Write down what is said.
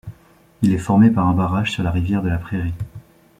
Il est formé par un barrage sur la rivière de la Prairie.